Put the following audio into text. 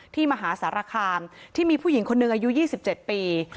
มหาสารคามที่มีผู้หญิงคนหนึ่งอายุ๒๗ปี